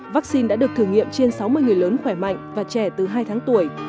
vaccine đã được thử nghiệm trên sáu mươi người lớn khỏe mạnh và trẻ từ hai tháng tuổi